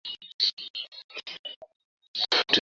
সে যখন শব্দ করেছে তখন তা টেপ করা হল।